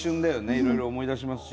いろいろ思い出しますし。